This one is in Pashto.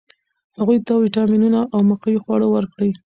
هغوی ته ویټامینونه او مقوي خواړه ورکړئ.